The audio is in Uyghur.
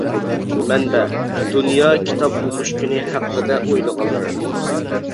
مەنبە : دۇنيا كىتاب ئوقۇش كۈنى ھەققىدە ئويلىغانلىرىم.